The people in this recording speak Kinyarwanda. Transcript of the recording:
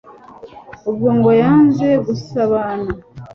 ubwo ngo yanze gusabana